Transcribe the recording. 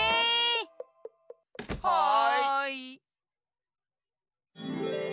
はい。